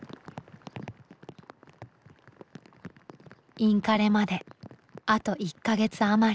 インカレまであと１か月あまり。